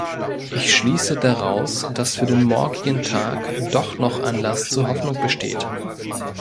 Ich schließe daraus, dass für den morgigen Tag doch noch Anlass zu Hoffnung besteht!